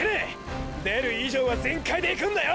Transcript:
出る以上は全開でいくんだよ！！